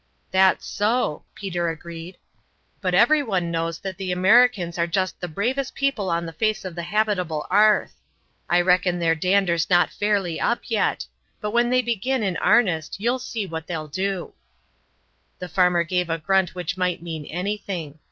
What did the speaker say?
"That's so," Peter agreed. "But everyone knows that the Americans are just the bravest people on the face of the habitable arth. I reckon their dander's not fairly up yet; but when they begin in arnest you'll see what they'll do." The farmer gave a grunt which might mean anything.